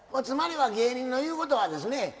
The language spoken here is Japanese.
つまりは芸人の言うことはですね